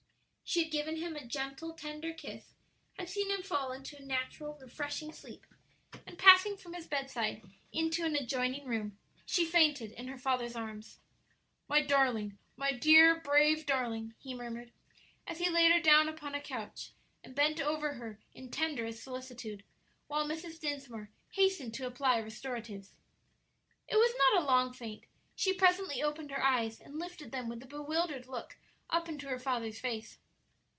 She had given him a gentle, tender kiss, had seen him fall into a natural, refreshing sleep, and passing from his bedside into an adjoining room, she fainted in her father's arms. "My darling, my dear, brave darling!" he murmured, as he laid her down upon a couch and bent over her in tenderest solicitude, while Mrs. Dinsmore hastened to apply restoratives. It was not a long faint; she presently opened her eyes and lifted them with a bewildered look up into her father's face.